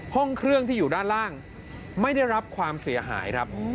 ห้องเครื่องที่อยู่ด้านล่างไม่ได้รับความเสียหายครับ